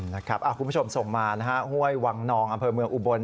คุณผู้ชมส่งมานะฮะห้วยวังนองอำเภอเมืองอุบล